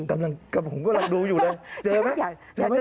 กำลังกับผมกำลังดูอยู่เลยเจอไหม